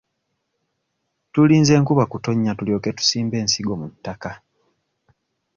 Tulinze nkuba kutonnya tulyoke tusimbe ensingo mu ttaka.